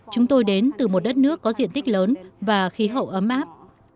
chúng tôi đến từ một đất nước có diện tích lớn và khí hậu ấm áp